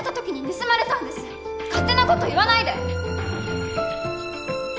勝手な事言わないで！